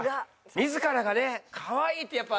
自らがね「かわいい」ってやっぱ。